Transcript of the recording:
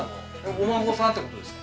お孫さんってことですか？